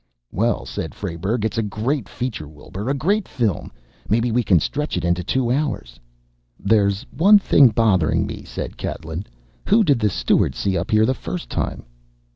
"Well," said Frayberg, "it's a great feature, Wilbur a great film! Maybe we can stretch it into two hours." "There's one thing bothering me," said Catlin. "Who did the steward see up here the first time?"